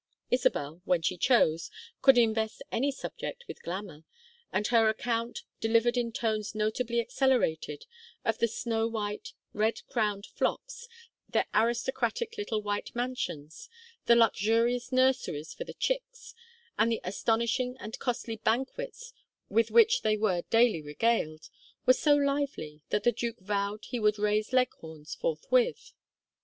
Isabel, when she chose, could invest any subject with glamour, and her account, delivered in tones notably accelerated, of the snow white, red crowned flocks, their aristocratic little white mansions, the luxurious nurseries for the "chicks," and the astonishing and costly banquets with which they were daily regaled, was so lively that the duke vowed he would raise Leghorns forthwith.